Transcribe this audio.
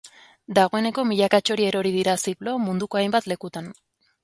Dagoeneko milaka txori erori dira ziplo munduko hainbat lekutan.